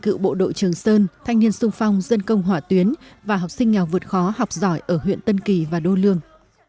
cựu bộ đội trường sơn thanh niên sung phong dân công hỏa tuyến và học sinh nghèo vượt khó học giỏi ở huyện tân kỳ và đô lương